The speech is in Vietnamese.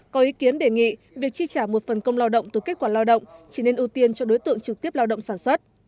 có ý kiến đề nghị việc chi trả một phần công lao động từ kết quả lao động chỉ nên ưu tiên cho đối tượng trực tiếp lao động sản xuất